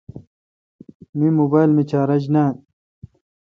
می موبایل مے چارج نان۔